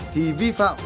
thì vi phạm vẫn có